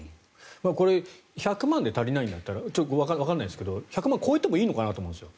これ、１００万で足りないんだったらわからないですが１００万超えてもいいのかなと思うんですよ。